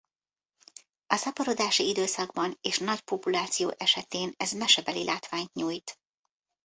A szaporodási időszakban és nagy populáció esetén ez mesebeli látványt nyújt.